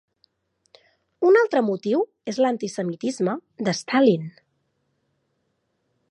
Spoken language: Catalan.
Un altre motiu és l'antisemitisme de Stalin.